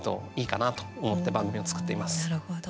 なるほど。